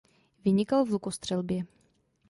Vynikal v lukostřelbě.